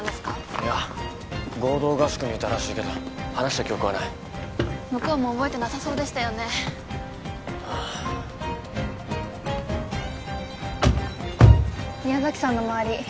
いや合同合宿にいたらしいけど話した記憶はない向こうも覚えてなさそうでしたよねああ宮崎さんの周り